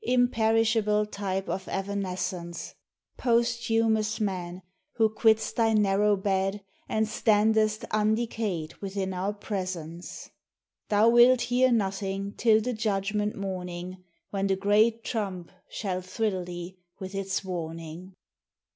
Imperishable type of evanescence ! Posthumous man, — who quit'st thy narrow bed, And standest undecayed within our presence ! Thou wilt hear nothing till the judgment morning, When the great trump shall thrill thee with its warning.